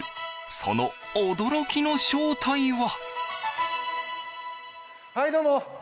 その驚きの正体は。